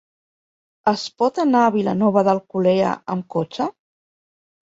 Es pot anar a Vilanova d'Alcolea amb cotxe?